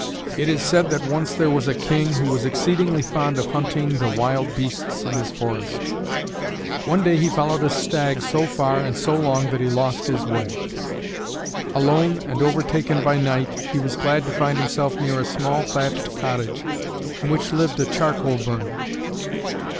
It is said that once there was a King who was exceedingly fond of hunting the wild beasts in his forests. One day he followed a stag so far and so long that he lost his way. Alone and overtaken by night, he was glad to find himself near a small thatched cottage in which lived a charcoal burner.